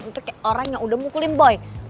untuk orang yang udah mukulin boy